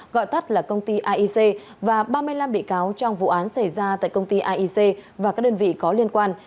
gọi tắt là công ty aic và ba mươi năm bị cáo trong vụ án xảy ra tại công ty aic và các đơn vị có liên quan